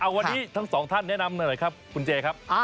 วันนี้ทั้งสองท่านแนะนำหน่อยครับคุณเจครับ